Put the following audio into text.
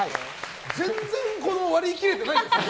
全然、割り切れてないですね。